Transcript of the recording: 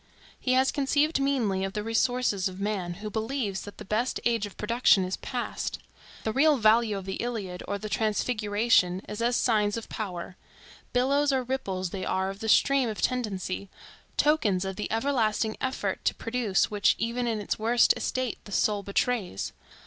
He has conceived meanly of the resources of man, who believes that the best age of production is past. The real value of the Iliad or the Transfiguration is as signs of power; billows or ripples they are of the stream of tendency; tokens of the everlasting effort to produce, which even in its worst estate the soul betrays.